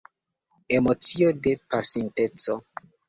Emocio de pasinteco.